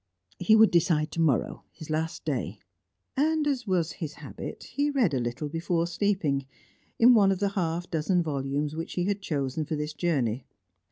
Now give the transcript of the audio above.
He would decide to morrow, his last day. And as was his habit, he read a little before sleeping, in one of the half dozen volumes which he had chosen for this journey.